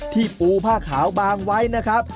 ปูผ้าขาวบางไว้นะครับ